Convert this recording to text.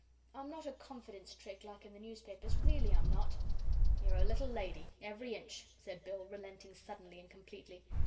I'm not a confidence trick like in the newspapers really, I'm not." "You're a little lady, every inch," said Bill, relenting suddenly and completely.